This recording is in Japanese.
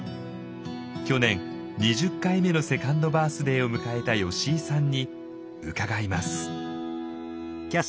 去年２０回目のセカンドバースデーを迎えた吉井さんに伺います。